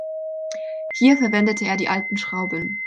Hier verwendete er die alten Schrauben.